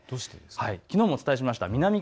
きのうもお伝えしました。